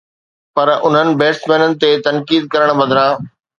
پر انهن بيٽسمينن تي تنقيد ڪرڻ بدران